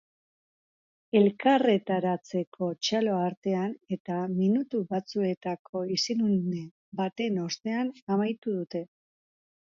Elkarretaratzea txalo artean eta minutu batzuetako isilune baten ostean amaitu dute.